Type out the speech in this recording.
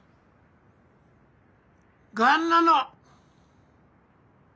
がんなの！